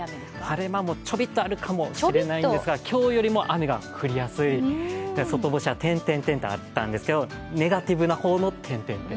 晴れ間もちょびっとあるかもしれないんですが、今日よりも雨が降りやすい外干しはとあったんですけど、ネガティブな方の「」。